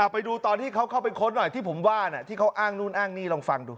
ไปดูตอนที่เขาเข้าไปค้นหน่อยที่ผมว่าที่เขาอ้างนู่นอ้างนี่ลองฟังดู